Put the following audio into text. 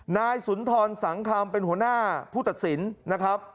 นายสุนทรสังคำเป็นหัวหน้าผู้ตัดสินนะครับ